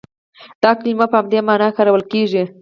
دا کلمه په همدې معنا کارول کېږي.